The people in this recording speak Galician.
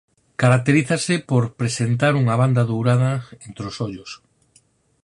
Caracterízase por presentar unha banda dourada entre os ollos.